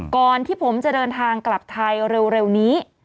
ก่อนที่ผมจะเดินทางกลับไทยเร็วนี้